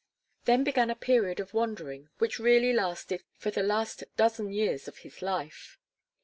Then began a period of wandering which really lasted for the last dozen years of his life.